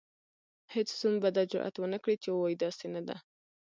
هیڅ زوم به دا جرئت ونکړي چې ووايي داسې نه ده.